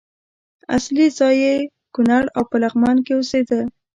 اصلي ځای یې کونړ او په لغمان کې اوسېده.